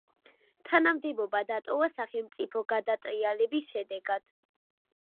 თანამდებობა დატოვა სახელმწიფო გადატრიალების შედეგად.